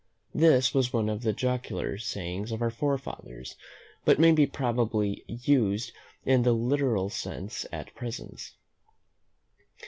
This was one of the jocular sayings of our forefathers, but maybe properly used in the literal sense at present.